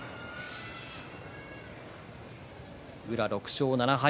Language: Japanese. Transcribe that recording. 宇良、６勝７敗。